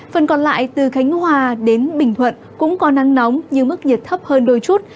phần còn lại từ khánh hòa đến bình thuận cũng có nắng nóng nhưng mức nhiệt thấp hơn đôi chút